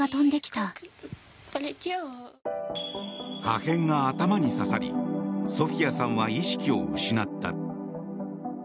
破片が頭に刺さりソフィヤさんは意識を失った。